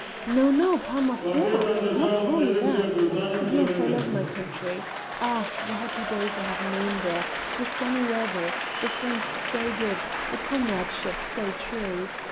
"No, no, par ma foi! not wholly that. But yes, I love my country ah! the happy days I have known there, the sunny weather, the friends so good, the comradeship so true.